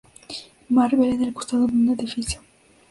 Marvel en el costado de un edificio.